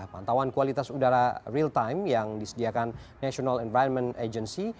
pantauan kualitas udara real time yang disediakan national environment agency